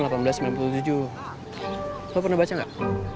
lo pernah baca gak